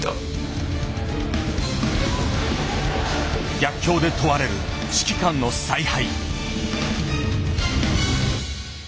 逆境で問われる指揮官の采配。